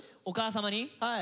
お母様に？